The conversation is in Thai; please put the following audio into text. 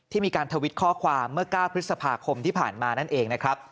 มีการทวิตข้อความเมื่อ๙พฤษภาคมที่ผ่านมานั่นเองนะครับ